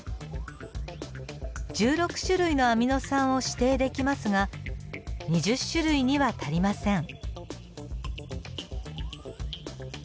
１６種類のアミノ酸を指定できますが２０種類には足りません。